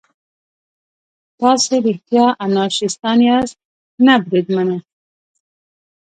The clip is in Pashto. تاسې رښتیا انارشیستان یاست؟ نه بریدمنه.